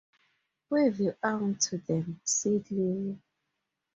“Wave your arm to them,” said Levi.